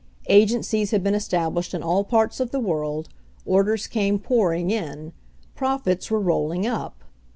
Agencies had been established in all parts of the world, orders came pouring in. Profits were rolling up.